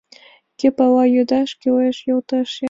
— Кӧ пала... йодаш кӱлеш йолташеым.